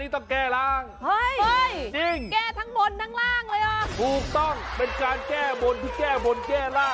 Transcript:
ถูกต้องเป็นการแก้บนที่แก้บนแก้ร่าง